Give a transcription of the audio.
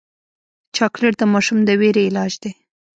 چاکلېټ د ماشوم د ویرې علاج دی.